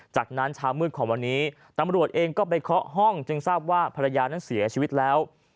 จากนั้นเช้ามืดของวันนี้ตำรวจเองก็ไปเคาะห้องจึงทราบว่าภรรยานั้นเสียชีวิตแล้ว